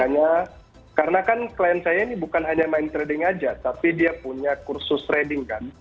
hanya karena kan klien saya ini bukan hanya main trading saja tapi dia punya kursus trading kan